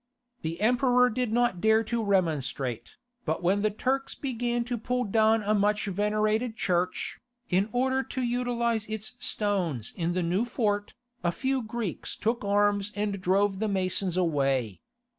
The Emperor did not dare to remonstrate, but when the Turks began to pull down a much venerated church, in order to utilize its stones in the new fort, a few Greeks took arms and drove the masons away.